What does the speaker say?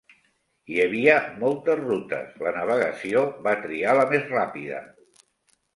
Hi havia moltes rutes, la navegació va triar la més ràpida.